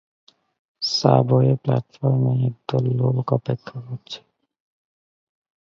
subway প্ল্যাটফর্মে একদল লোক অপেক্ষা করছে